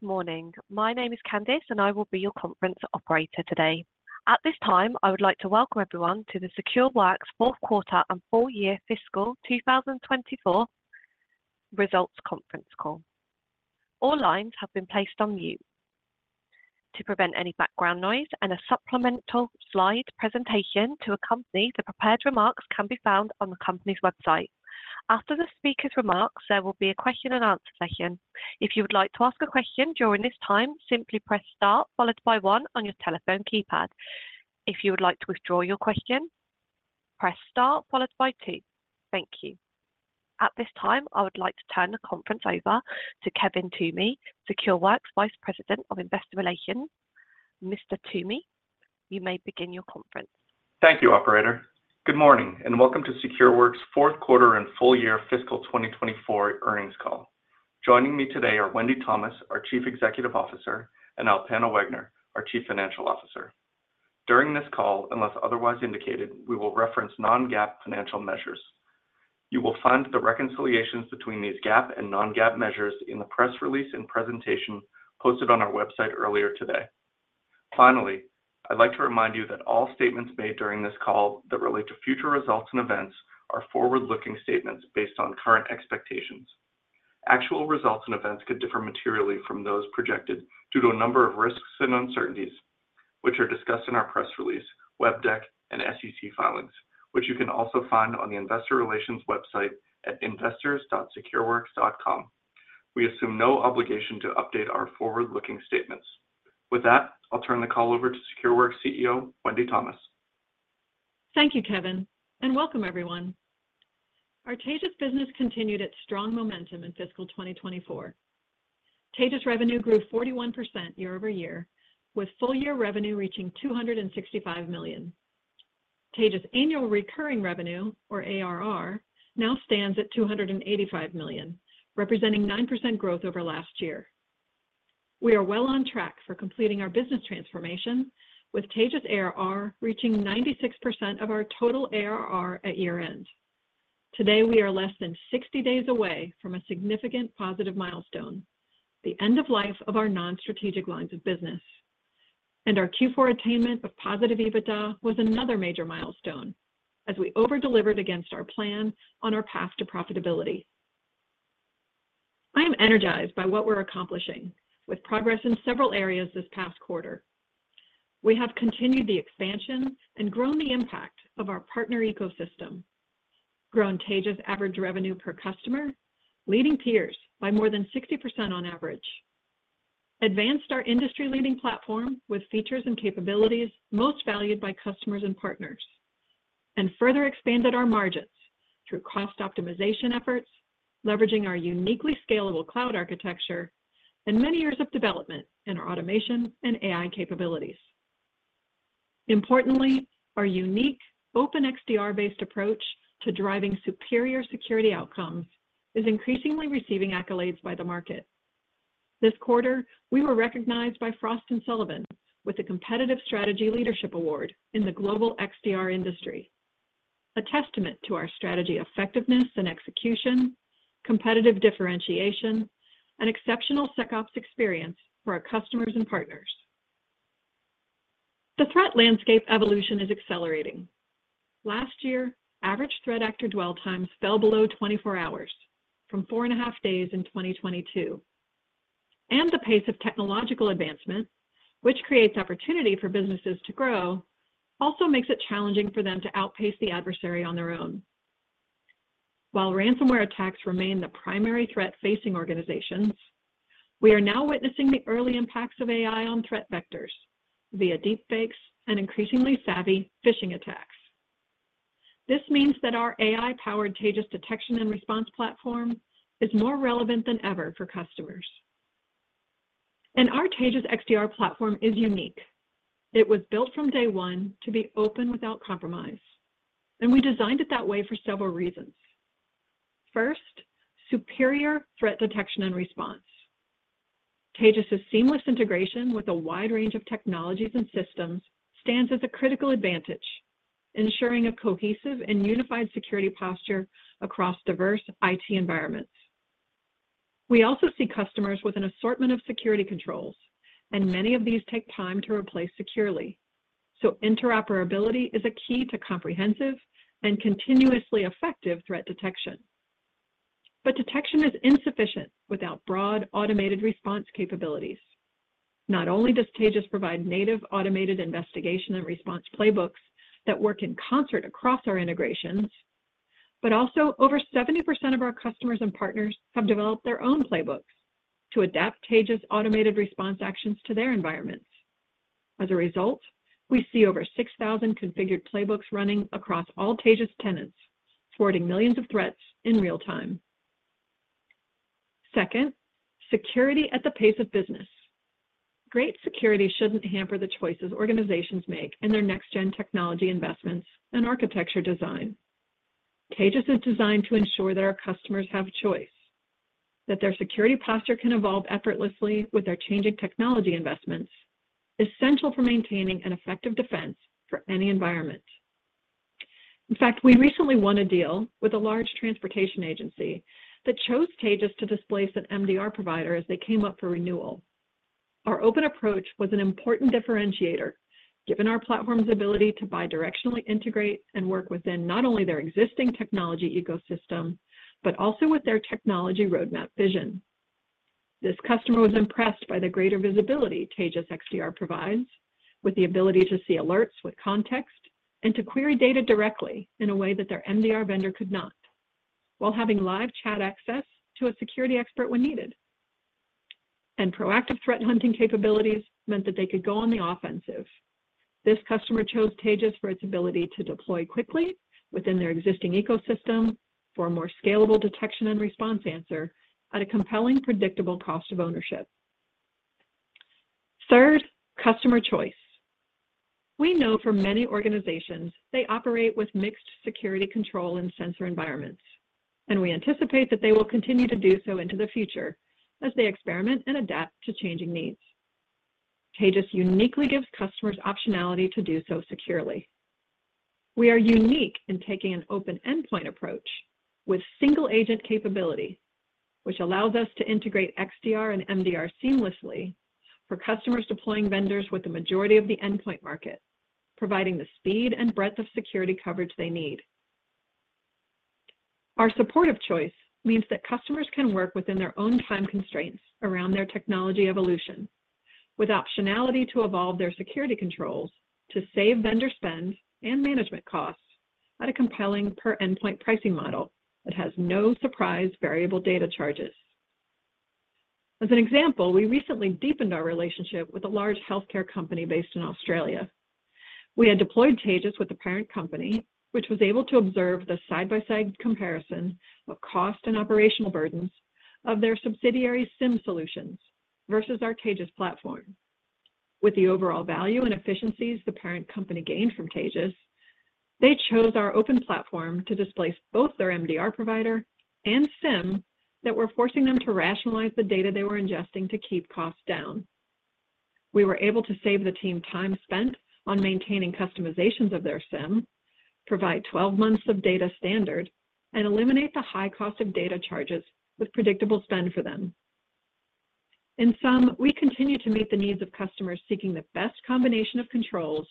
Good morning. My name is Candice, and I will be your conference operator today. At this time, I would like to welcome everyone to the Secureworks Fourth Quarter and Full-Year Fiscal 2024 Results Conference Call. All lines have been placed on mute to prevent any background noise. A supplemental slide presentation to accompany the prepared remarks can be found on the company's website. After the speaker's remarks, there will be a question-and-answer session. If you would like to ask a question during this time, simply press star followed by one on your telephone keypad. If you would like to withdraw your question, press star followed by two. Thank you. At this time, I would like to turn the conference over to Kevin Toomey, Secureworks Vice President of Investor Relations. Mr. Toomey, you may begin your conference. Thank you, Operator. Good morning and welcome to Secureworks fourth quarter and full-year fiscal 2024 earnings call. Joining me today are Wendy Thomas, our Chief Executive Officer, and Alpana Wegner, our Chief Financial Officer. During this call, unless otherwise indicated, we will reference non-GAAP financial measures. You will find the reconciliations between these GAAP and non-GAAP measures in the press release and presentation posted on our website earlier today. Finally, I'd like to remind you that all statements made during this call that relate to future results and events are forward-looking statements based on current expectations. Actual results and events could differ materially from those projected due to a number of risks and uncertainties, which are discussed in our press release, web deck, and SEC filings, which you can also find on the Investor Relations website at investors.secureworks.com. We assume no obligation to update our forward-looking statements. With that, I'll turn the call over to Secureworks CEO Wendy Thomas. Thank you, Kevin, and welcome, everyone. Our Taegis business continued its strong momentum in fiscal 2024. Taegis revenue grew 41% year over year, with full-year revenue reaching $265 million. Taegis annual recurring revenue, or ARR, now stands at $285 million, representing 9% growth over last year. We are well on track for completing our business transformation, with Taegis ARR reaching 96% of our total ARR at year-end. Today, we are less than 60 days away from a significant positive milestone: the end of life of our non-strategic lines of business. Our Q4 attainment of positive EBITDA was another major milestone, as we overdelivered against our plan on our path to profitability. I am energized by what we're accomplishing, with progress in several areas this past quarter. We have continued the expansion and grown the impact of our partner ecosystem, grown Taegis average revenue per customer, leading peers by more than 60% on average, advanced our industry-leading platform with features and capabilities most valued by customers and partners, and further expanded our margins through cost optimization efforts, leveraging our uniquely scalable cloud architecture, and many years of development in our automation and AI capabilities. Importantly, our unique open XDR-based approach to driving superior security outcomes is increasingly receiving accolades by the market. This quarter, we were recognized by Frost & Sullivan with the Competitive Strategy Leadership Award in the global XDR industry, a testament to our strategy effectiveness and execution, competitive differentiation, and exceptional SecOps experience for our customers and partners. The threat landscape evolution is accelerating. Last year, average threat actor dwell times fell below 24 hours from 4.5 days in 2022. The pace of technological advancement, which creates opportunity for businesses to grow, also makes it challenging for them to outpace the adversary on their own. While ransomware attacks remain the primary threat facing organizations, we are now witnessing the early impacts of AI on threat vectors via deepfakes and increasingly savvy phishing attacks. This means that our AI-powered Taegis detection and response platform is more relevant than ever for customers. Our Taegis XDR platform is unique. It was built from day one to be open without compromise. We designed it that way for several reasons. First, superior threat detection and response. Taegis's seamless integration with a wide range of technologies and systems stands as a critical advantage, ensuring a cohesive and unified security posture across diverse IT environments. We also see customers with an assortment of security controls, and many of these take time to replace securely. So interoperability is a key to comprehensive and continuously effective threat detection. But detection is insufficient without broad automated response capabilities. Not only does Taegis provide native automated investigation and response playbooks that work in concert across our integrations, but also over 70% of our customers and partners have developed their own playbooks to adapt Taegis automated response actions to their environments. As a result, we see over 6,000 configured playbooks running across all Taegis tenants, forwarding millions of threats in real time. Second, security at the pace of business. Great security shouldn't hamper the choices organizations make in their next-gen technology investments and architecture design. Taegis is designed to ensure that our customers have choice, that their security posture can evolve effortlessly with their changing technology investments, essential for maintaining an effective defense for any environment. In fact, we recently won a deal with a large transportation agency that chose Taegis to displace an MDR provider as they came up for renewal. Our open approach was an important differentiator, given our platform's ability to bidirectionally integrate and work within not only their existing technology ecosystem, but also with their technology roadmap vision. This customer was impressed by the greater visibility Taegis XDR provides, with the ability to see alerts with context and to query data directly in a way that their MDR vendor could not, while having live chat access to a security expert when needed. Proactive threat hunting capabilities meant that they could go on the offensive. This customer chose Taegis for its ability to deploy quickly within their existing ecosystem for a more scalable detection and response answer at a compelling, predictable cost of ownership. Third, customer choice. We know for many organizations, they operate with mixed security control and sensor environments. We anticipate that they will continue to do so into the future as they experiment and adapt to changing needs. Taegis uniquely gives customers optionality to do so securely. We are unique in taking an open endpoint approach with single-agent capability, which allows us to integrate XDR and MDR seamlessly for customers deploying vendors with the majority of the endpoint market, providing the speed and breadth of security coverage they need. Our supportive choice means that customers can work within their own time constraints around their technology evolution, with optionality to evolve their security controls to save vendor spend and management costs at a compelling per-endpoint pricing model that has no surprise variable data charges. As an example, we recently deepened our relationship with a large healthcare company based in Australia. We had deployed Taegis with the parent company, which was able to observe the side-by-side comparison of cost and operational burdens of their subsidiary SIEM solutions versus our Taegis platform. With the overall value and efficiencies the parent company gained from Taegis, they chose our open platform to displace both their MDR provider and SIEM that were forcing them to rationalize the data they were ingesting to keep costs down. We were able to save the team time spent on maintaining customizations of their SIEM, provide 12 months of data standard, and eliminate the high cost of data charges with predictable spend for them. In sum, we continue to meet the needs of customers seeking the best combination of controls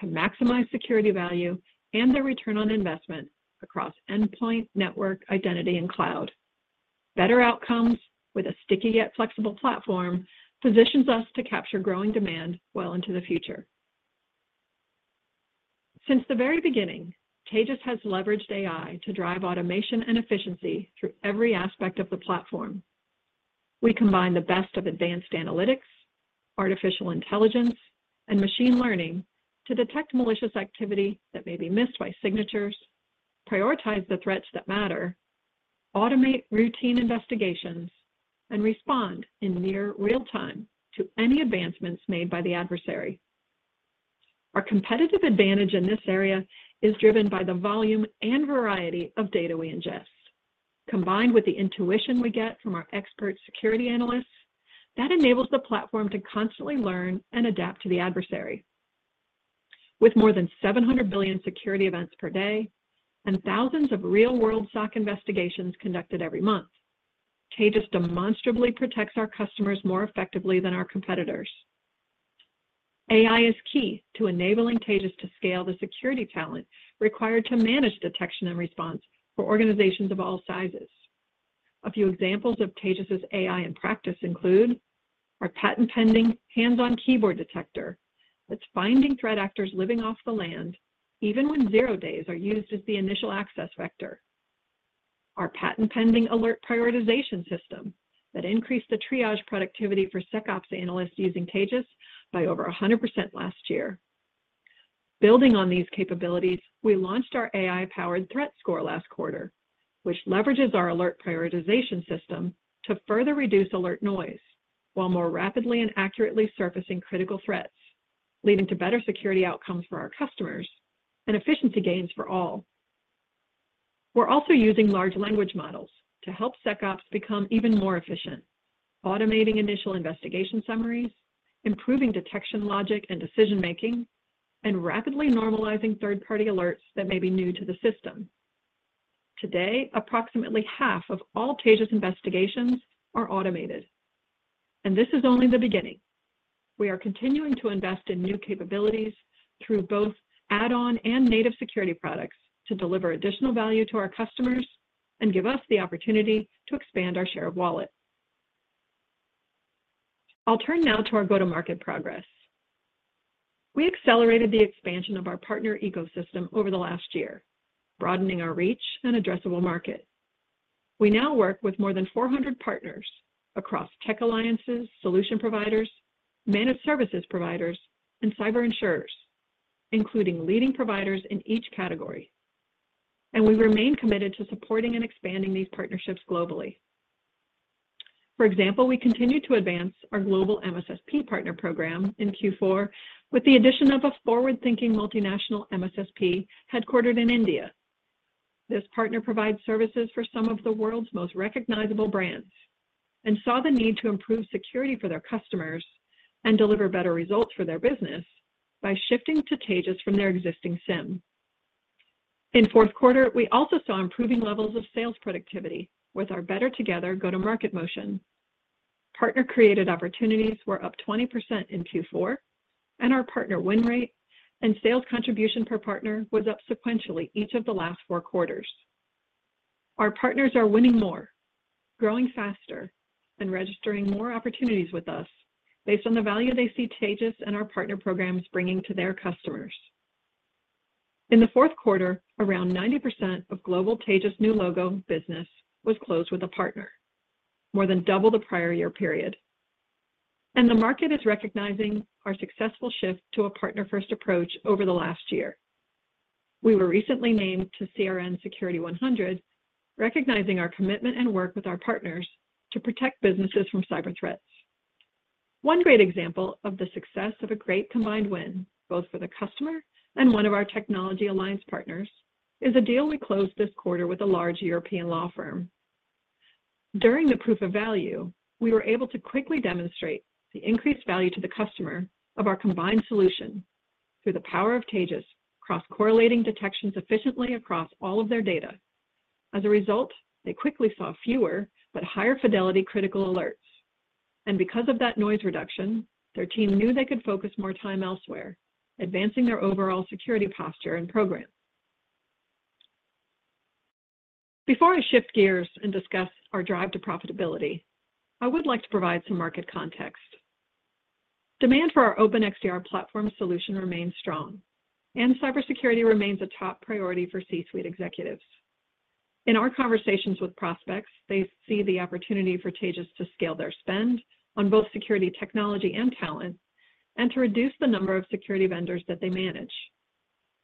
to maximize security value and their return on investment across endpoint, network, identity, and cloud. Better outcomes with a sticky yet flexible platform positions us to capture growing demand well into the future. Since the very beginning, Taegis has leveraged AI to drive automation and efficiency through every aspect of the platform. We combine the best of advanced analytics, artificial intelligence, and machine learning to detect malicious activity that may be missed by signatures, prioritize the threats that matter, automate routine investigations, and respond in near real time to any advancements made by the adversary. Our competitive advantage in this area is driven by the volume and variety of data we ingest. Combined with the intuition we get from our expert security analysts, that enables the platform to constantly learn and adapt to the adversary. With more than 700 billion security events per day and thousands of real-world SOC investigations conducted every month, Taegis demonstrably protects our customers more effectively than our competitors. AI is key to enabling Taegis to scale the security talent required to manage detection and response for organizations of all sizes. A few examples of Taegis's AI in practice include our patent-pending Hands-on-Keyboard Detector that's finding threat actors living off the land, even when zero days are used as the initial access vector. Our patent-pending alert prioritization system that increased the triage productivity for SecOps analysts using Taegis by over 100% last year. Building on these capabilities, we launched our AI-Powered Threat Score last quarter, which leverages our alert prioritization system to further reduce alert noise while more rapidly and accurately surfacing critical threats, leading to better security outcomes for our customers and efficiency gains for all. We're also using large language models to help SecOps become even more efficient, automating initial investigation summaries, improving detection logic and decision-making, and rapidly normalizing third-party alerts that may be new to the system. Today, approximately half of all Taegis investigations are automated. This is only the beginning. We are continuing to invest in new capabilities through both add-on and native security products to deliver additional value to our customers and give us the opportunity to expand our share of wallet. I'll turn now to our go-to-market progress. We accelerated the expansion of our partner ecosystem over the last year, broadening our reach and addressable market. We now work with more than 400 partners across tech alliances, solution providers, managed services providers, and cyber insurers, including leading providers in each category. We remain committed to supporting and expanding these partnerships globally. For example, we continue to advance our Global MSSP Partner Program in Q4 with the addition of a forward-thinking multinational MSSP headquartered in India. This partner provides services for some of the world's most recognizable brands and saw the need to improve security for their customers and deliver better results for their business by shifting to Taegis from their existing SIEM. In fourth quarter, we also saw improving levels of sales productivity with our better-together go-to-market motion. Partner-created opportunities were up 20% in Q4, and our partner win rate and sales contribution per partner was up sequentially each of the last four quarters. Our partners are winning more, growing faster, and registering more opportunities with us based on the value they see Taegis and our partner programs bringing to their customers. In the fourth quarter, around 90% of global Taegis new logo business was closed with a partner, more than double the prior year period. The market is recognizing our successful shift to a partner-first approach over the last year. We were recently named to CRN Security 100, recognizing our commitment and work with our partners to protect businesses from cyber threats. One great example of the success of a great combined win, both for the customer and one of our technology alliance partners, is a deal we closed this quarter with a large European law firm. During the proof of value, we were able to quickly demonstrate the increased value to the customer of our combined solution through the power of Taegis' cross-correlating detections efficiently across all of their data. As a result, they quickly saw fewer but higher fidelity critical alerts. Because of that noise reduction, their team knew they could focus more time elsewhere, advancing their overall security posture and program. Before I shift gears and discuss our drive to profitability, I would like to provide some market context. Demand for our open XDR platform solution remains strong, and cybersecurity remains a top priority for C-suite executives. In our conversations with prospects, they see the opportunity for Taegis to scale their spend on both security technology and talent and to reduce the number of security vendors that they manage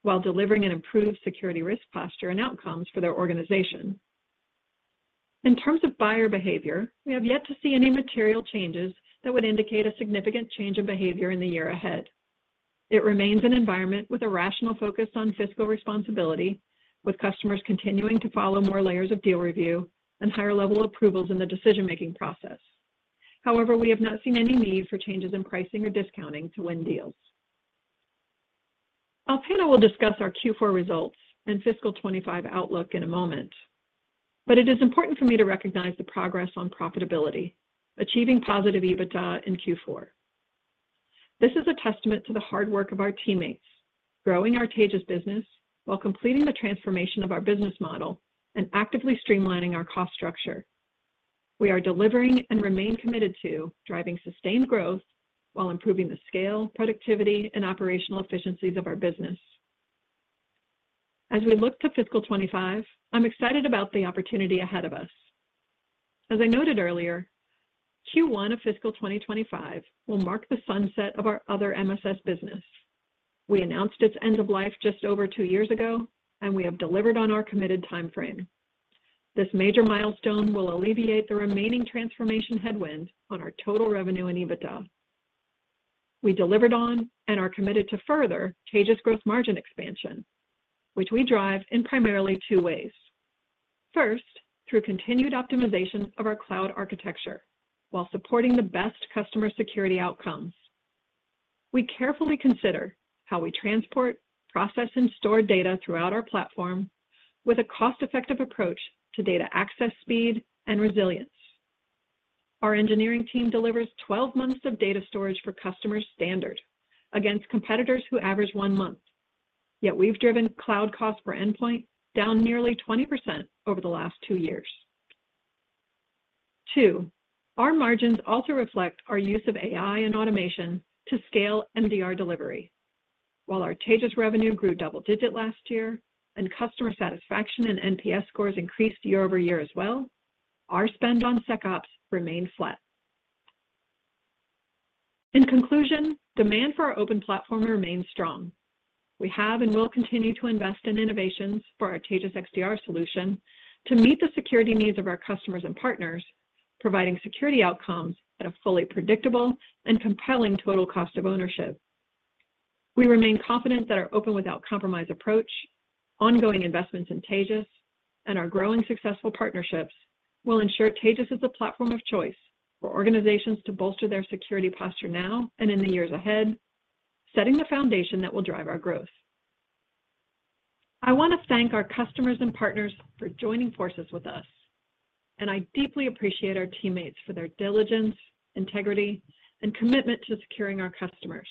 while delivering an improved security risk posture and outcomes for their organization. In terms of buyer behavior, we have yet to see any material changes that would indicate a significant change in behavior in the year ahead. It remains an environment with a rational focus on fiscal responsibility, with customers continuing to follow more layers of deal review and higher level approvals in the decision-making process. However, we have not seen any need for changes in pricing or discounting to win deals. Alpana will discuss our Q4 results and fiscal 2025 outlook in a moment. But it is important for me to recognize the progress on profitability, achieving positive EBITDA in Q4. This is a testament to the hard work of our teammates, growing our Taegis business while completing the transformation of our business model and actively streamlining our cost structure. We are delivering and remain committed to driving sustained growth while improving the scale, productivity, and operational efficiencies of our business. As we look to fiscal 2025, I'm excited about the opportunity ahead of us. As I noted earlier, Q1 of fiscal 2025 will mark the sunset of our other MSS business. We announced its end of life just over two years ago, and we have delivered on our committed timeframe. This major milestone will alleviate the remaining transformation headwind on our total revenue and EBITDA. We delivered on and are committed to further Taegis gross margin expansion, which we drive in primarily two ways. First, through continued optimization of our cloud architecture while supporting the best customer security outcomes. We carefully consider how we transport, process, and store data throughout our platform with a cost-effective approach to data access speed and resilience. Our engineering team delivers 12 months of data storage for customers standard against competitors who average one month. Yet we've driven cloud cost per endpoint down nearly 20% over the last two years. Two, our margins also reflect our use of AI and automation to scale MDR delivery. While our Taegis revenue grew double-digit last year and customer satisfaction and NPS scores increased year-over-year as well, our spend on SecOps remained flat. In conclusion, demand for our open platform remains strong. We have and will continue to invest in innovations for our Taegis XDR solution to meet the security needs of our customers and partners, providing security outcomes at a fully predictable and compelling total cost of ownership. We remain confident that our open-without-compromise approach, ongoing investments in Taegis, and our growing successful partnerships will ensure Taegis is the platform of choice for organizations to bolster their security posture now and in the years ahead, setting the foundation that will drive our growth. I want to thank our customers and partners for joining forces with us. I deeply appreciate our teammates for their diligence, integrity, and commitment to securing our customers.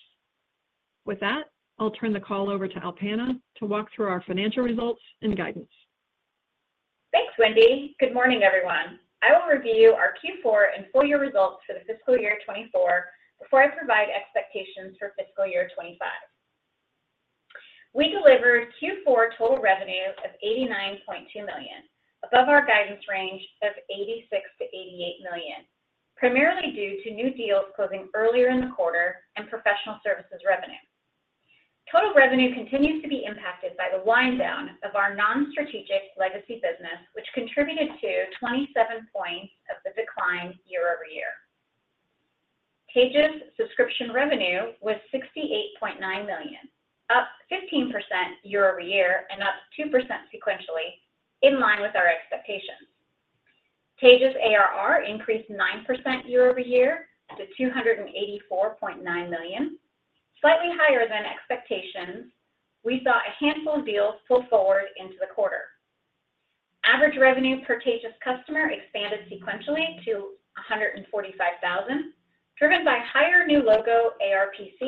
With that, I'll turn the call over to Alpana to walk through our financial results and guidance. Thanks, Wendy. Good morning, everyone. I will review our Q4 and full-year results for the fiscal year 2024 before I provide expectations for fiscal year 2025. We delivered Q4 total revenue of $89.2 million, above our guidance range of $86 million-$88 million, primarily due to new deals closing earlier in the quarter and professional services revenue. Total revenue continues to be impacted by the winddown of our non-strategic legacy business, which contributed to 27 points of the decline year over year. Taegis subscription revenue was $68.9 million, up 15% year over year and up 2% sequentially, in line with our expectations. Taegis ARR increased 9% year over year to $284.9 million, slightly higher than expectations. We saw a handful of deals pull forward into the quarter. Average revenue per Taegis customer expanded sequentially to $145,000, driven by higher new logo ARPC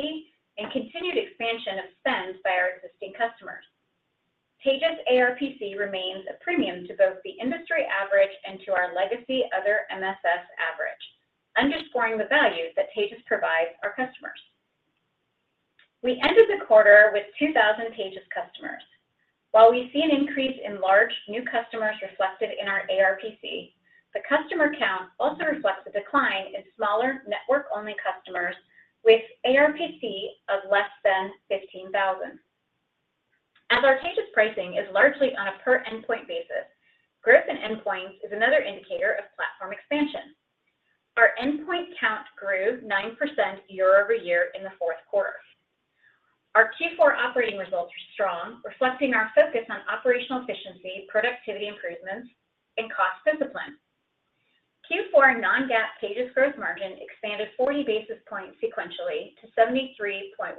and continued expansion of spend by our existing customers. Taegis ARPC remains a premium to both the industry average and to our legacy other MSS average, underscoring the value that Taegis provides our customers. We ended the quarter with 2,000 Taegis customers. While we see an increase in large new customers reflected in our ARPC, the customer count also reflects a decline in smaller network-only customers with ARPC of less than $15,000. As our Taegis pricing is largely on a per-endpoint basis, growth in endpoints is another indicator of platform expansion. Our endpoint count grew 9% year-over-year in the fourth quarter. Our Q4 operating results are strong, reflecting our focus on operational efficiency, productivity improvements, and cost discipline. Q4 non-GAAP Taegis gross margin expanded 40 basis points sequentially to 73.1%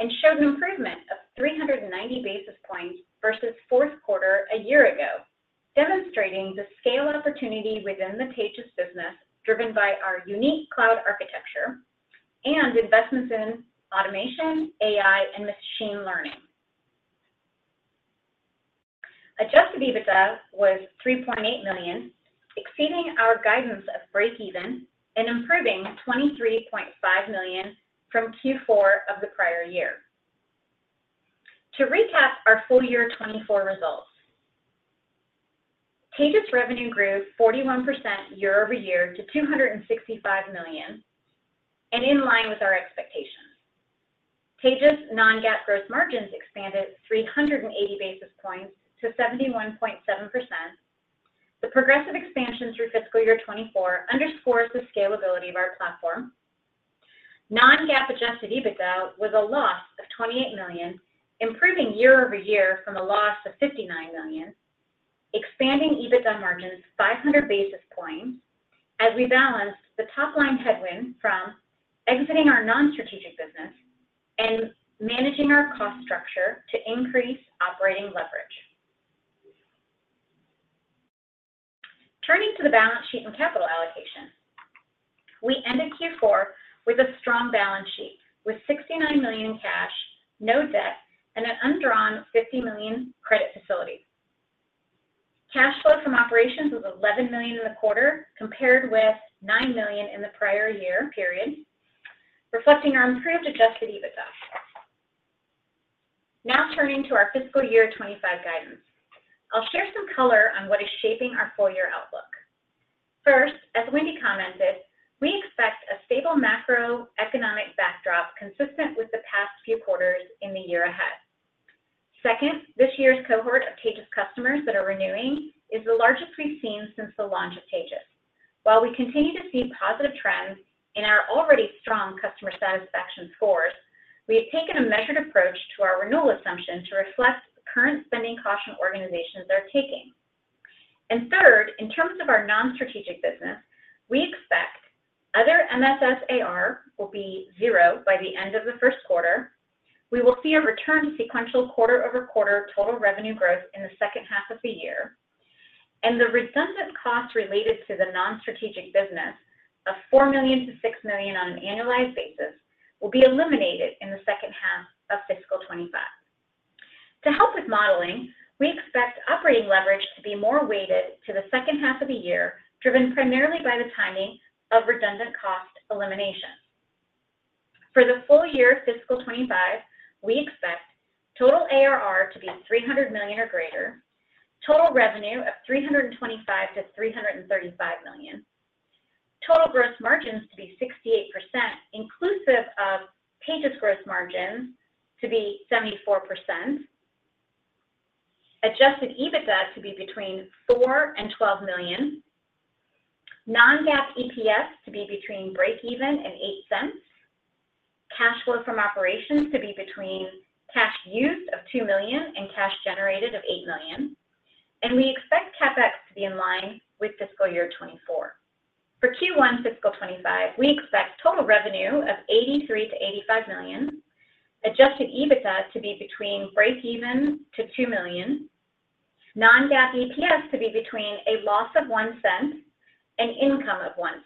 and showed an improvement of 390 basis points versus fourth quarter a year ago, demonstrating the scale opportunity within the Taegis business driven by our unique cloud architecture and investments in automation, AI, and machine learning. Adjusted EBITDA was $3.8 million, exceeding our guidance of break-even and improving $23.5 million from Q4 of the prior year. To recap our full-year 2024 results, Taegis revenue grew 41% year-over-year to $265 million, and in line with our expectations. Taegis non-GAAP gross margins expanded 380 basis points to 71.7%. The progressive expansion through fiscal year 2024 underscores the scalability of our platform. Non-GAAP adjusted EBITDA was a loss of $28 million, improving year over year from a loss of $59 million, expanding EBITDA margins 500 basis points as we balanced the top-line headwind from exiting our non-strategic business and managing our cost structure to increase operating leverage. Turning to the balance sheet and capital allocation, we ended Q4 with a strong balance sheet with $69 million in cash, no debt, and an undrawn $50 million credit facility. Cash flow from operations was $11 million in the quarter compared with $9 million in the prior year, reflecting our improved adjusted EBITDA. Now turning to our fiscal year 2025 guidance. I'll share some color on what is shaping our full-year outlook. First, as Wendy commented, we expect a stable macroeconomic backdrop consistent with the past few quarters in the year ahead. Second, this year's cohort of Taegis customers that are renewing is the largest we've seen since the launch of Taegis. While we continue to see positive trends in our already strong customer satisfaction scores, we have taken a measured approach to our renewal assumption to reflect current spending caution organizations are taking. And third, in terms of our non-strategic business, we expect other MSS ARR will be zero by the end of the first quarter. We will see a return to sequential quarter-over-quarter total revenue growth in the second half of the year. And the redundant costs related to the non-strategic business of $4 million-$6 million on an annualized basis will be eliminated in the second half of fiscal 2025. To help with modeling, we expect operating leverage to be more weighted to the second half of the year, driven primarily by the timing of redundant cost elimination. For the full-year fiscal 2025, we expect total ARR to be $300 million or greater, total revenue of $325 million-$335 million, total gross margins to be 68%, inclusive of Taegis gross margins to be 74%, adjusted EBITDA to be between $4 million and $12 million, non-GAAP EPS to be between break-even and $0.08, cash flow from operations to be between cash used of $2 million and cash generated of $8 million. We expect CapEx to be in line with fiscal year 2024. For Q1 fiscal 2025, we expect total revenue of $83 million-$85 million, adjusted EBITDA to be between break-even to $2 million, non-GAAP EPS to be between a loss of $0.01 and income of $0.01.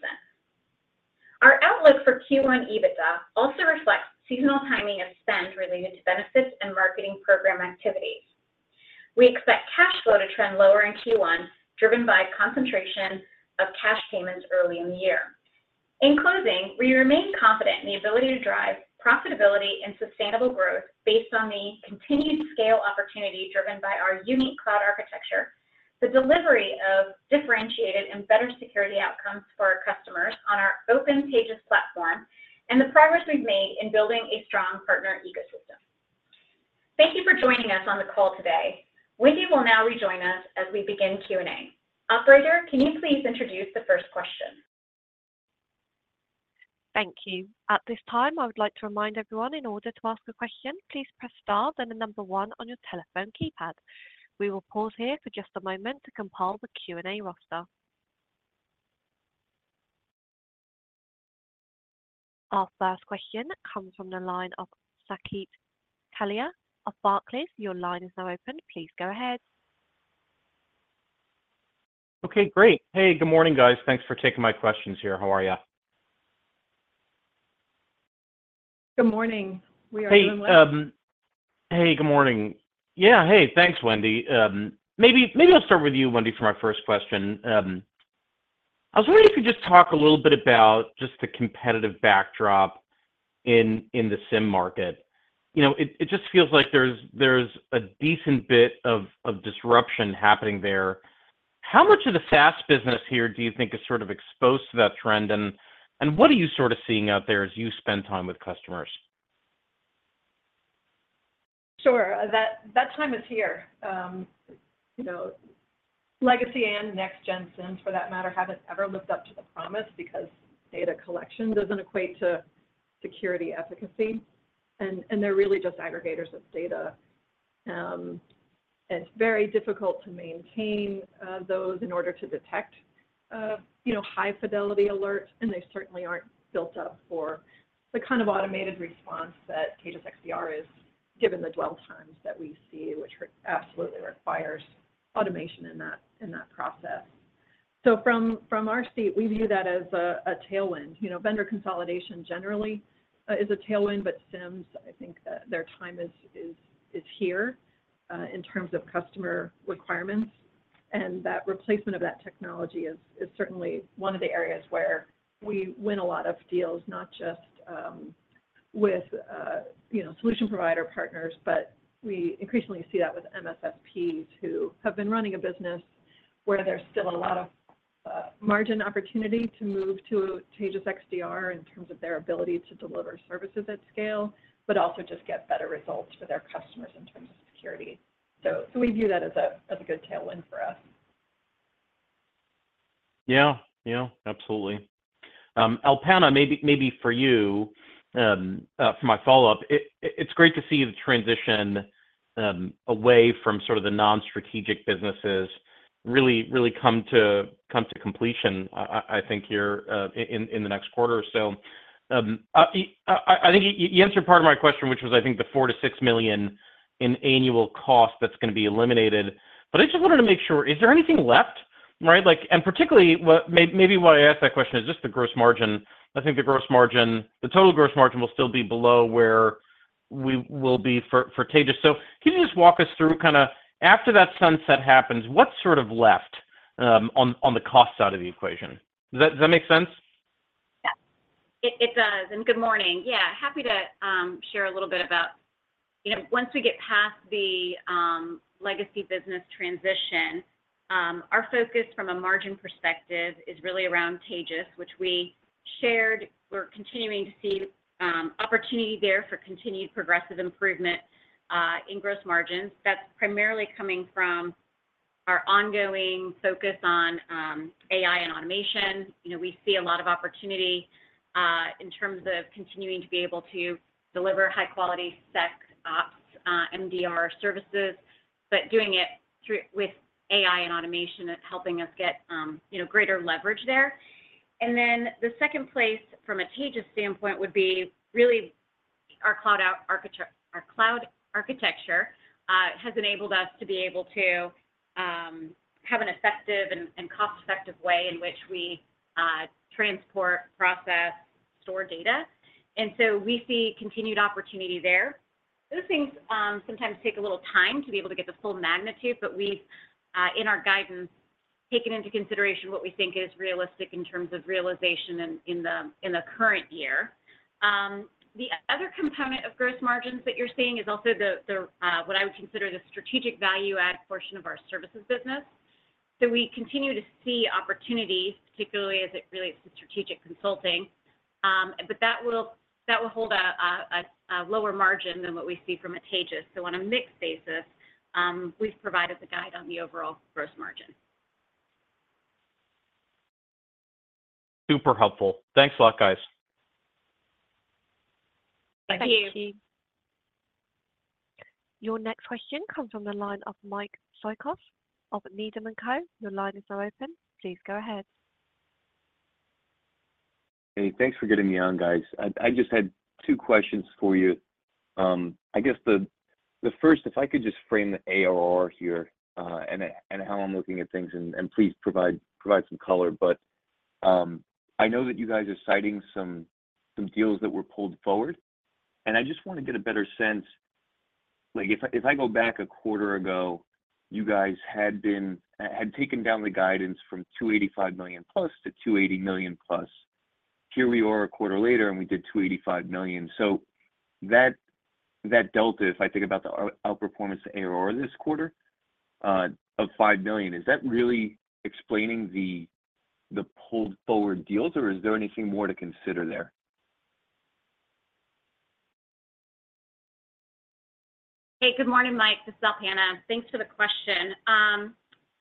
Our outlook for Q1 EBITDA also reflects seasonal timing of spend related to benefits and marketing program activities. We expect cash flow to trend lower in Q1, driven by concentration of cash payments early in the year. In closing, we remain confident in the ability to drive profitability and sustainable growth based on the continued scale opportunity driven by our unique cloud architecture, the delivery of differentiated and better security outcomes for our customers on our open Taegis platform, and the progress we've made in building a strong partner ecosystem. Thank you for joining us on the call today. Wendy will now rejoin us as we begin Q&A. Operator, can you please introduce the first question? Thank you. At this time, I would like to remind everyone, in order to ask a question, please press star, then the number one on your telephone keypad. We will pause here for just a moment to compile the Q&A roster. Our first question comes from the line of Saket Kalia of Barclays. Your line is now open. Please go ahead. Okay, great. Hey, good morning, guys. Thanks for taking my questions here. How are you? Good morning. We are doing well. Hey, good morning. Yeah, hey, thanks, Wendy. Maybe I'll start with you, Wendy, for my first question. I was wondering if you could just talk a little bit about just the competitive backdrop in the SIEM market. It just feels like there's a decent bit of disruption happening there. How much of the SaaS business here do you think is sort of exposed to that trend? And what are you sort of seeing out there as you spend time with customers? Sure. That time is here. Legacy and next-gen SIEMs, for that matter, haven't ever lived up to the promise because data collection doesn't equate to security efficacy. And they're really just aggregators of data. And it's very difficult to maintain those in order to detect high-fidelity alerts. And they certainly aren't built up for the kind of automated response that Taegis XDR is, given the dwell times that we see, which absolutely requires automation in that process. So from our seat, we view that as a tailwind. Vendor consolidation generally is a tailwind, but SIEMs, I think their time is here in terms of customer requirements. That replacement of that technology is certainly one of the areas where we win a lot of deals, not just with solution provider partners, but we increasingly see that with MSSPs who have been running a business where there's still a lot of margin opportunity to move to Taegis XDR in terms of their ability to deliver services at scale, but also just get better results for their customers in terms of security. So we view that as a good tailwind for us. Yeah, yeah, absolutely. Alpana, maybe for you, for my follow-up, it's great to see you transition away from sort of the non-strategic businesses really come to completion, I think, in the next quarter or so. I think you answered part of my question, which was, I think, the $4 million-$6 million in annual cost that's going to be eliminated. But I just wanted to make sure, is there anything left? Right? And particularly, maybe why I asked that question is just the gross margin. I think the total gross margin will still be below where we will be for Taegis. So can you just walk us through kind of after that sunset happens, what's sort of left on the cost side of the equation? Does that make sense? Yeah, it does. And good morning. Yeah, happy to share a little bit about once we get past the legacy business transition, our focus from a margin perspective is really around Taegis, which we shared. We're continuing to see opportunity there for continued progressive improvement in gross margins. That's primarily coming from our ongoing focus on AI and automation. We see a lot of opportunity in terms of continuing to be able to deliver high-quality SecOps, MDR services, but doing it with AI and automation helping us get greater leverage there. And then the second place, from a Taegis standpoint, would be really our cloud architecture has enabled us to be able to have an effective and cost-effective way in which we transport, process, store data. And so we see continued opportunity there. Those things sometimes take a little time to be able to get the full magnitude, but we've, in our guidance, taken into consideration what we think is realistic in terms of realization in the current year. The other component of gross margins that you're seeing is also what I would consider the strategic value-add portion of our services business. So we continue to see opportunities, particularly as it relates to strategic consulting. But that will hold a lower margin than what we see from a Taegis. So on a mixed basis, we've provided the guide on the overall gross margin. Super helpful. Thanks a lot, guys. Thank you. Thank you. Your next question comes from the line of Mike Cikos of Needham & Co. Your line is now open. Please go ahead. Hey, thanks for getting me on, guys. I just had two questions for you. I guess the first, if I could just frame the ARR here and how I'm looking at things, and please provide some color. But I know that you guys are citing some deals that were pulled forward. And I just want to get a better sense. If I go back a quarter ago, you guys had taken down the guidance from $285+ million to $280+ million. Here we are a quarter later, and we did $285 million. So that delta, if I think about the outperformance ARR this quarter of $5 million, is that really explaining the pulled-forward deals, or is there anything more to consider there? Hey, good morning, Mike. This is Alpana. Thanks for the question. I would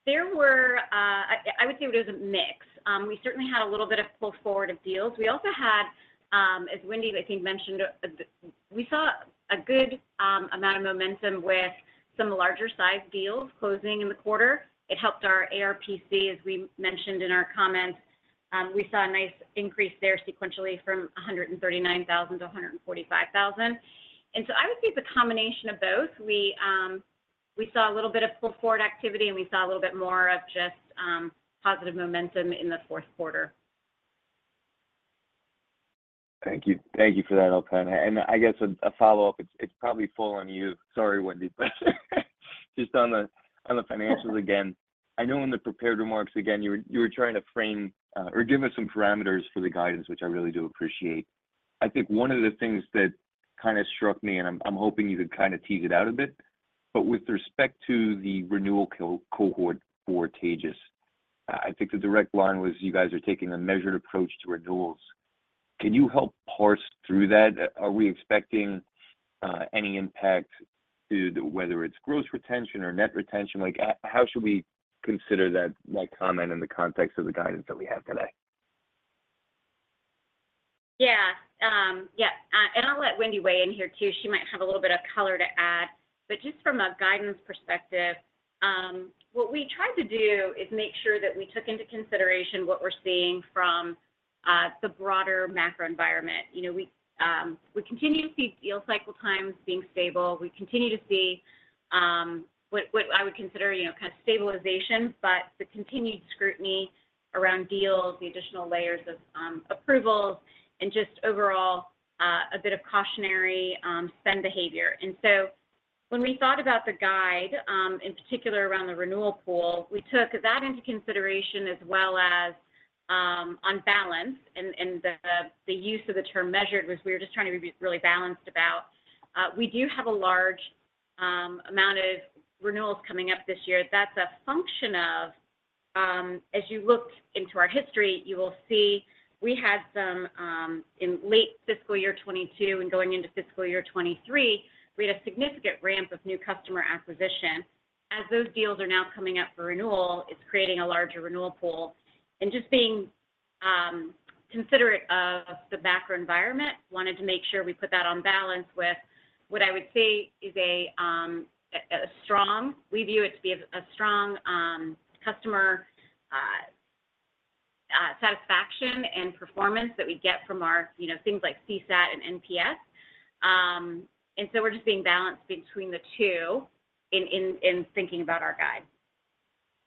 say it was a mix. We certainly had a little bit of pull-forward of deals. We also had, as Wendy, I think, mentioned, we saw a good amount of momentum with some larger-sized deals closing in the quarter. It helped our ARPC, as we mentioned in our comments. We saw a nice increase there sequentially from 139,000 to 145,000. And so I would say it's a combination of both. We saw a little bit of pull-forward activity, and we saw a little bit more of just positive momentum in the fourth quarter. Thank you. Thank you for that, Alpana. And I guess a follow-up, it's probably full on you. Sorry, Wendy, but just on the financials again. I know in the prepared remarks again, you were trying to frame or give us some parameters for the guidance, which I really do appreciate. I think one of the things that kind of struck me, and I'm hoping you could kind of tease it out a bit, but with respect to the renewal cohort for Taegis, I think the direct line was you guys are taking a measured approach to renewals. Can you help parse through that? Are we expecting any impact to whether it's gross retention or net retention? How should we consider that comment in the context of the guidance that we have today? Yeah. Yeah. And I'll let Wendy weigh in here too. She might have a little bit of color to add. But just from a guidance perspective, what we tried to do is make sure that we took into consideration what we're seeing from the broader macro environment. We continue to see deal cycle times being stable. We continue to see what I would consider kind of stabilization, but the continued scrutiny around deals, the additional layers of approvals, and just overall a bit of cautionary spend behavior. And so when we thought about the guide, in particular around the renewal pool, we took that into consideration as well as on balance. And the use of the term measured was we were just trying to be really balanced about we do have a large amount of renewals coming up this year. That's a function of as you look into our history, you will see we had some in late fiscal year 2022 and going into fiscal year 2023, we had a significant ramp of new customer acquisition. As those deals are now coming up for renewal, it's creating a larger renewal pool. And just being considerate of the macroenvironment, wanted to make sure we put that on balance with what I would say is a strong we view it to be a strong customer satisfaction and performance that we get from our things like CSAT and NPS. And so we're just being balanced between the two in thinking about our guide.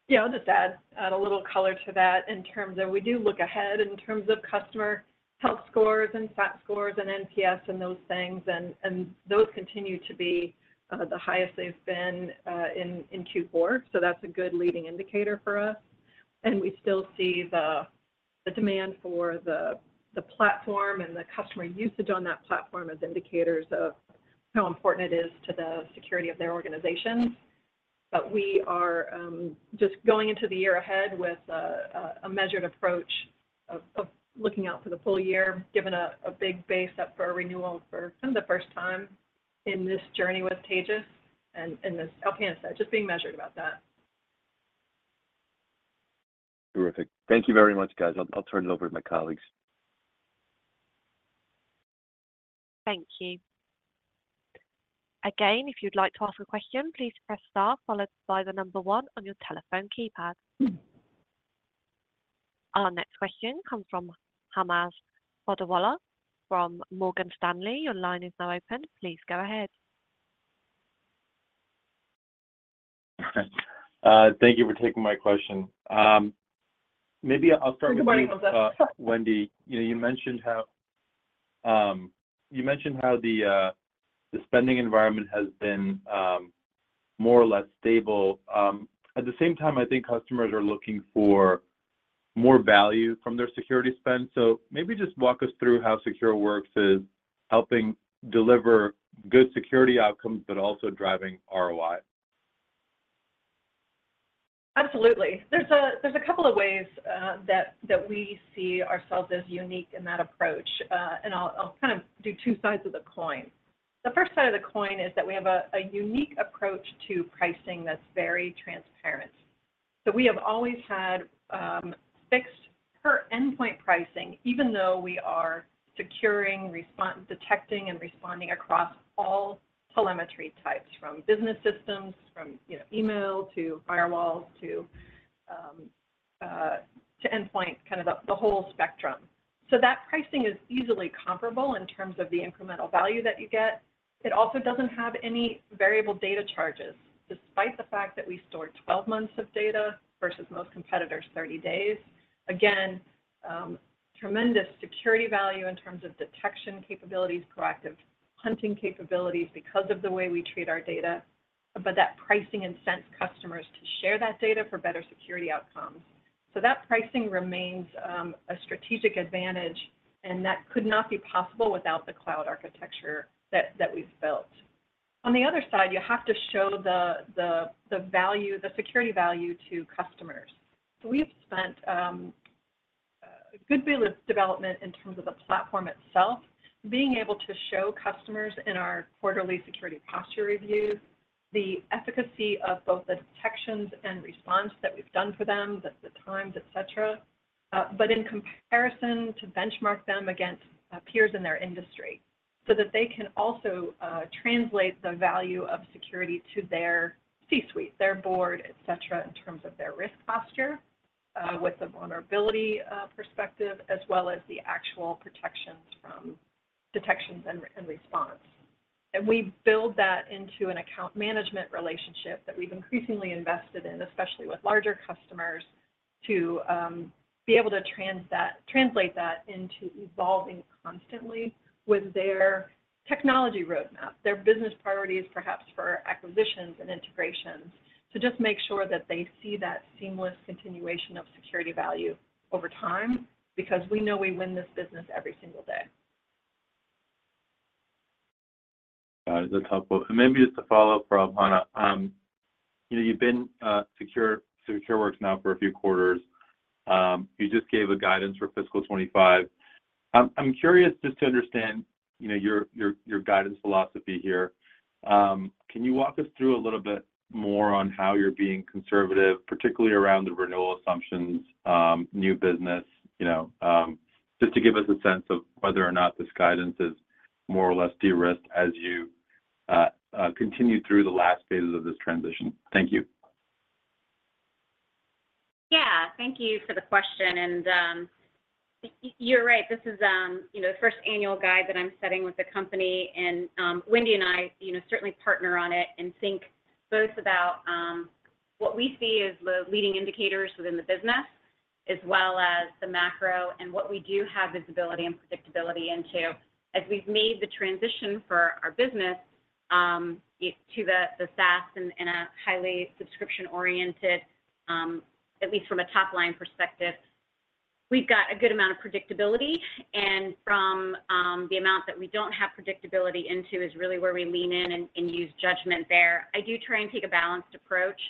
Yeah, I'll just add a little color to that in terms of we do look ahead in terms of customer health scores and CSAT scores and NPS and those things. And those continue to be the highest they've been in Q4. So that's a good leading indicator for us. And we still see the demand for the platform and the customer usage on that platform as indicators of how important it is to the security of their organizations. But we are just going into the year ahead with a measured approach of looking out for the full year, given a big base up for a renewal for kind of the first time in this journey with Taegis. And as Alpana said, just being measured about that. Terrific. Thank you very much, guys. I'll turn it over to my colleagues. Thank you. Again, if you'd like to ask a question, please press star followed by the number one on your telephone keypad. Our next question comes from Hamza Fodderwala from Morgan Stanley. Your line is now open. Please go ahead. Perfect. Thank you for taking my question. Maybe I'll start with you, Wendy. You mentioned how the spending environment has been more or less stable. At the same time, I think customers are looking for more value from their security spend. So maybe just walk us through how Secureworks is helping deliver good security outcomes, but also driving ROI. Absolutely. There's a couple of ways that we see ourselves as unique in that approach. And I'll kind of do two sides of the coin. The first side of the coin is that we have a unique approach to pricing that's very transparent. So we have always had fixed per-endpoint pricing, even though we are securing, detecting, and responding across all telemetry types, from business systems, from email to firewalls to endpoint, kind of the whole spectrum. So that pricing is easily comparable in terms of the incremental value that you get. It also doesn't have any variable data charges, despite the fact that we store 12 months of data versus most competitors' 30 days. Again, tremendous security value in terms of detection capabilities, proactive hunting capabilities because of the way we treat our data, but that pricing incents customers to share that data for better security outcomes. So that pricing remains a strategic advantage, and that could not be possible without the cloud architecture that we've built. On the other side, you have to show the security value to customers. So we've spent a good bit of development in terms of the platform itself, being able to show customers in our quarterly security posture reviews the efficacy of both the detections and response that we've done for them, the times, etc., but in comparison to benchmark them against peers in their industry so that they can also translate the value of security to their C-suite, their board, etc., in terms of their risk posture with a vulnerability perspective, as well as the actual protections from detections and response. We build that into an account management relationship that we've increasingly invested in, especially with larger customers, to be able to translate that into evolving constantly with their technology roadmap, their business priorities, perhaps for acquisitions and integrations, to just make sure that they see that seamless continuation of security value over time because we know we win this business every single day. Got it. That's helpful. Maybe just to follow up for Alpana, you've been at Secureworks now for a few quarters. You just gave a guidance for fiscal 2025. I'm curious just to understand your guidance philosophy here. Can you walk us through a little bit more on how you're being conservative, particularly around the renewal assumptions, new business, just to give us a sense of whether or not this guidance is more or less de-risked as you continue through the last phases of this transition? Thank you. Yeah. Thank you for the question. You're right. This is the first annual guidance that I'm setting with the company. Wendy and I certainly partner on it and think both about what we see as the leading indicators within the business as well as the macro and what we do have visibility and predictability into. As we've made the transition for our business to the SaaS in a highly subscription-oriented, at least from a top-line perspective, we've got a good amount of predictability. And from the amount that we don't have predictability into is really where we lean in and use judgment there. I do try and take a balanced approach,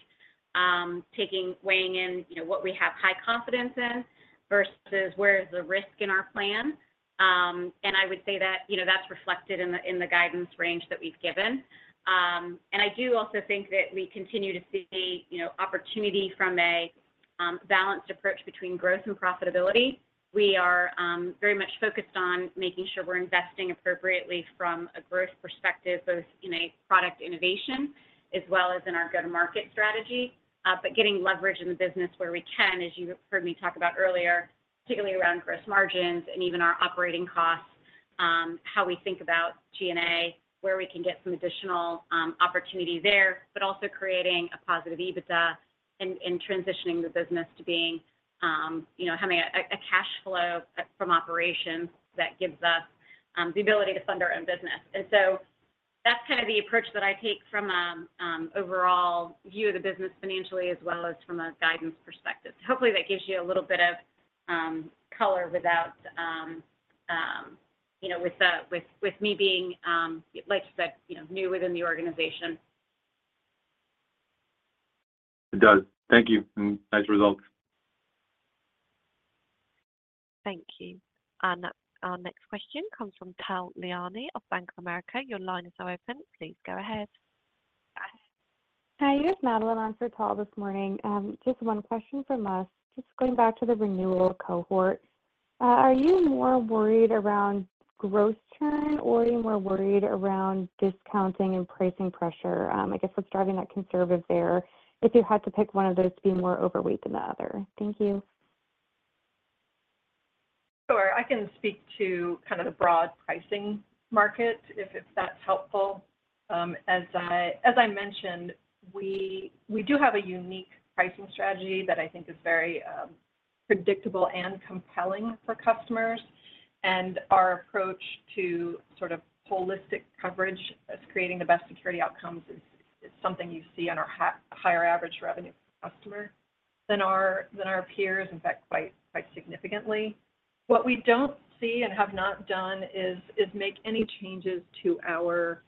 weighing in what we have high confidence in versus where is the risk in our plan. And I would say that that's reflected in the guidance range that we've given. I do also think that we continue to see opportunity from a balanced approach between growth and profitability. We are very much focused on making sure we're investing appropriately from a growth perspective, both in a product innovation as well as in our go-to-market strategy, but getting leverage in the business where we can, as you heard me talk about earlier, particularly around gross margins and even our operating costs, how we think about G&A, where we can get some additional opportunity there, but also creating a positive EBITDA and transitioning the business to having a cash flow from operations that gives us the ability to fund our own business. So that's kind of the approach that I take from an overall view of the business financially as well as from a guidance perspective. Hopefully, that gives you a little bit of color without me being, like you said, new within the organization. It does. Thank you. And nice results. Thank you. Our next question comes from Tal Liani of Bank of America. Your line is now open. Please go ahead. Hey. It's Madeline on for Tal this morning. Just one question from us. Just going back to the renewal cohort, are you more worried around gross churn, or are you more worried around discounting and pricing pressure? I guess what's driving that conservative there, if you had to pick one of those to be more overweight than the other? Thank you. Sure. I can speak to kind of the broad pricing market, if that's helpful. As I mentioned, we do have a unique pricing strategy that I think is very predictable and compelling for customers. And our approach to sort of holistic coverage, creating the best security outcomes, is something you see in our higher-average revenue customer than our peers, in fact, quite significantly. What we don't see and have not done is make any changes to our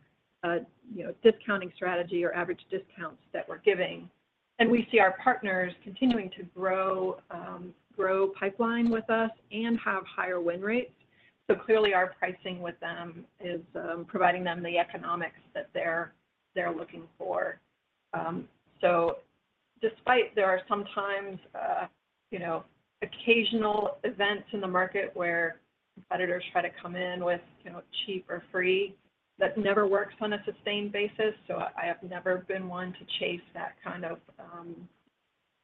discounting strategy or average discounts that we're giving. And we see our partners continuing to grow pipeline with us and have higher win rates. So clearly, our pricing with them is providing them the economics that they're looking for. So there are sometimes occasional events in the market where competitors try to come in with cheap or free that never works on a sustained basis. So I have never been one to chase that kind of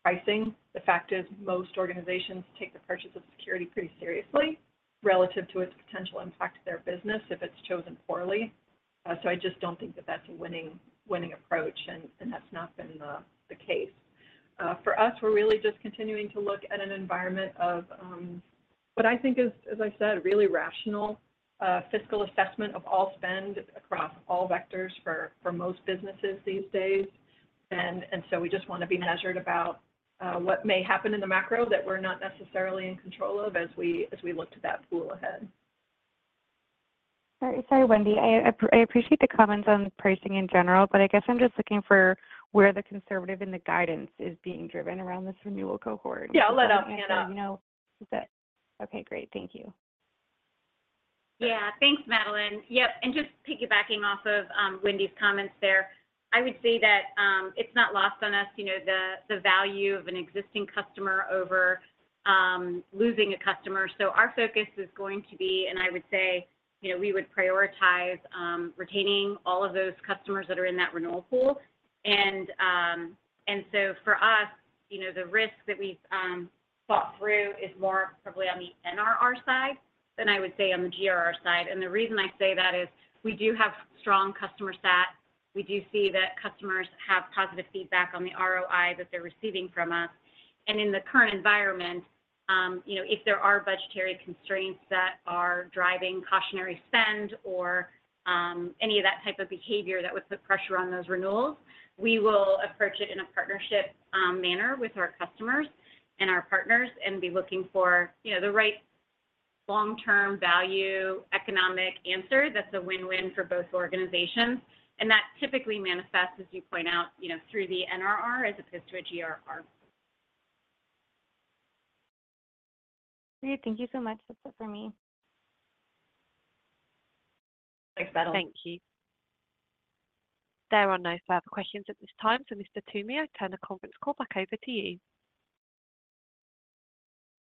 pricing. The fact is, most organizations take the purchase of security pretty seriously relative to its potential impact to their business if it's chosen poorly. So I just don't think that that's a winning approach, and that's not been the case. For us, we're really just continuing to look at an environment of what I think is, as I said, really rational fiscal assessment of all spend across all vectors for most businesses these days. And so we just want to be measured about what may happen in the macro that we're not necessarily in control of as we look to that pool ahead. Sorry, Wendy. I appreciate the comments on pricing in general, but I guess I'm just looking for where the conservative in the guidance is being driven around this renewal cohort. Yeah. I'll let Alpana know. Okay. Great. Thank you. Yeah. Thanks, Madeline. Yep. And just piggybacking off of Wendy's comments there, I would say that it's not lost on us, the value of an existing customer over losing a customer. So our focus is going to be, and I would say we would prioritize, retaining all of those customers that are in that renewal pool. And so for us, the risk that we've thought through is more probably on the NRR side than I would say on the GRR side. And the reason I say that is we do have strong customer SAT. We do see that customers have positive feedback on the ROI that they're receiving from us. In the current environment, if there are budgetary constraints that are driving cautionary spend or any of that type of behavior that would put pressure on those renewals, we will approach it in a partnership manner with our customers and our partners and be looking for the right long-term value economic answer that's a win-win for both organizations. That typically manifests, as you point out, through the NRR as opposed to a GRR. Great. Thank you so much. That's it for me. Thanks, Madeline. Thank you. There are no further questions at this time. Mr. Toomey, I turn the conference call back over to you.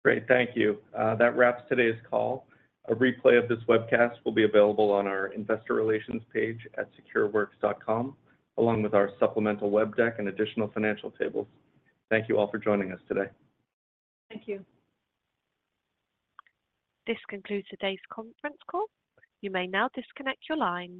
Great. Thank you. That wraps today's call. A replay of this webcast will be available on our investor relations page at Secureworks.com along with our supplemental web deck and additional financial tables. Thank you all for joining us today. Thank you. This concludes today's conference call. You may now disconnect your line.